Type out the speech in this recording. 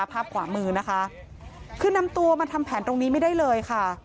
ภาพขวามือนะคะคือนำตัวมาทำแผนตรงนี้ไม่ได้เลยค่ะ